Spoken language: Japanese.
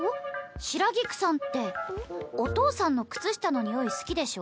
白菊さんってお父さんの靴下の臭い好きでしょ？